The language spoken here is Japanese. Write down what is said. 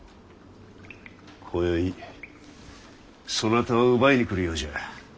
こよいそなたを奪いに来るようじゃ。